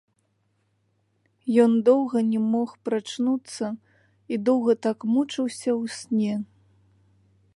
Ён доўга не мог прачнуцца і доўга так мучыўся ў сне.